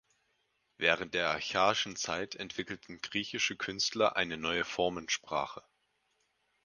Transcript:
Während der archaischen Zeit entwickelten griechische Künstler eine neue Formensprache.